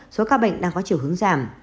số ca bệnh đang có chiều hướng giảm